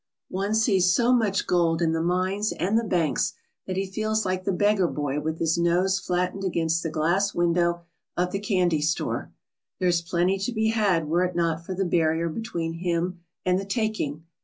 One sees so much gold in the mines and the banks that he feels like the beggar boy with his nose flattened against the glass window of the candy store. There is plenty to be had were it not for the barrier between him and the taking.